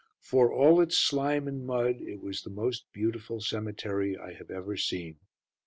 For all its slime and mud it was the most beautiful cemetery I have ever seen.